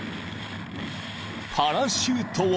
［パラシュートを］